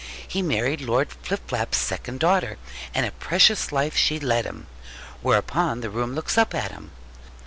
He married Lord Flipflap's second daughter, and a precious life she led him.' Whereupon the room looks up at him.